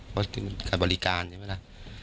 เพราะการบริการใช่ไหมล่ะ